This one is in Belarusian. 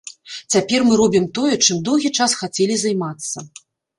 Цяпер мы робім тое, чым доўгі час хацелі займацца.